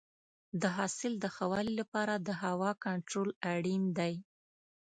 د حاصل د ښه والي لپاره د هوا کنټرول اړین دی.